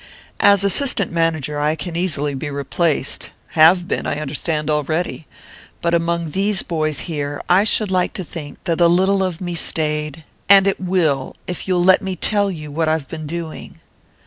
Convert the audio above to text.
As assistant manager I can easily be replaced have been, I understand, already; but among these boys here I should like to think that a little of me stayed and it will, if you'll let me tell you what I've been doing."